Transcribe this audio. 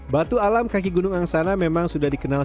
batu alam kaki gunung angsana memang sudah dikenal